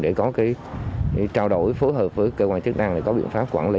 để có cái trao đổi phối hợp với cơ quan chức năng để có biện pháp quản lý